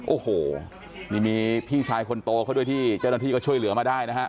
โอ้โหนี่มีพี่ชายคนโตเขาด้วยที่เจ้าหน้าที่ก็ช่วยเหลือมาได้นะฮะ